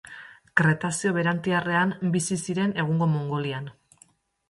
Kretazeo Berantiarrean bizi ziren egungo Mongolian.